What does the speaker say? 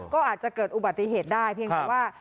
ก็อาจจะเกิดอุบัติเหตุได้เพียงแต่ว่า